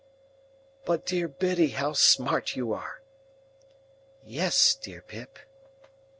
"But dear Biddy, how smart you are!" "Yes, dear Pip."